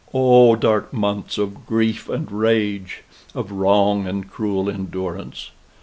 O dark months of grief and rage! of wrong and cruel endurance!